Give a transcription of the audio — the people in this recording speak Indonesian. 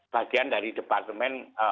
bagian dari departemen